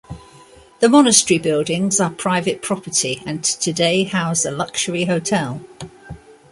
The monastery buildings are private property and today house a luxury hotel.